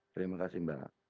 terima kasih mbak